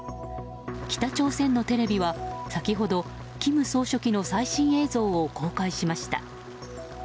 北朝鮮のテレビは先ほど金総書記の最新映像を公開しました。